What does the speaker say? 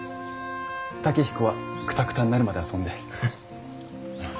健彦はくたくたになるまで遊んで。